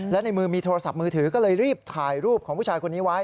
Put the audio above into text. และในมือมีโทรศัพท์มือถือก็เลยรีบถ่ายรูปของผู้ชายคนนี้ไว้